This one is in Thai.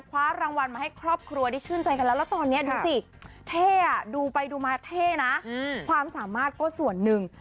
คว้ารางวัลมาให้ครอบครัวได้ชื่นใจกันแล้วแล้วตอนนี้ดูสิเท่อ่ะดูไปดูมาเท่นะความสามารถก็ส่วนหนึ่ง